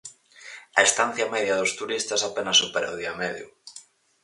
A estancia media dos turistas apenas supera o día e medio.